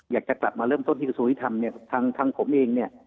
อยากจะกลับมาเริ่มต้นที่กระทรวงยุทธรรมเนี่ยทางผมเองเนี่ย